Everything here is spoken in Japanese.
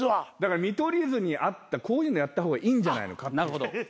見取り図に合ったこういうのやった方がいいんじゃないのかって。